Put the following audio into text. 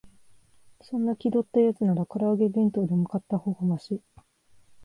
そんな気取ったやつなら、から揚げ弁当でも買ったほうがマシ